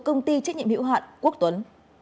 công ty trách nhiệm hữu hạn quốc tuấn